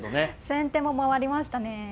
先手も回りましたね。